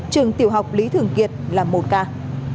trường tiểu học lý thường kiệt là một ca